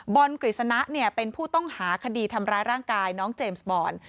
กฤษณะเป็นผู้ต้องหาคดีทำร้ายร่างกายน้องเจมส์บอล